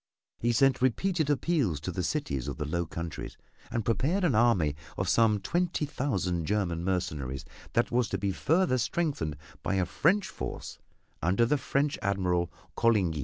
He sent repeated appeals to the cities of the Low Countries, and prepared an army of some twenty thousand German mercenaries that was to be further strengthened by a French force under the French Admiral Coligny.